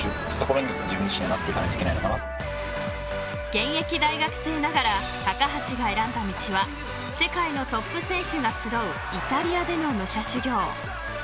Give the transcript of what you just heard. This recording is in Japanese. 現役大学生ながら高橋が選んだ道は世界のトップ選手が集うイタリアでの武者修行。